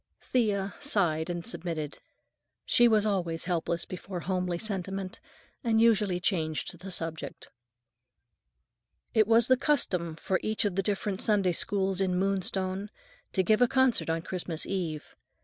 Thea sighed and submitted. She was always helpless before homely sentiment and usually changed the subject. It was the custom for each of the different Sunday Schools in Moonstone to give a concert on Christmas Eve.